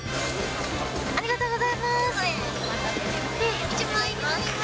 ありがとうございます。